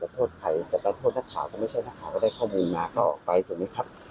แต่แต่โทษนักข่าวก็ไม่ใช่นักข่าวก็ได้ข้อมูลมาเข้าออกไป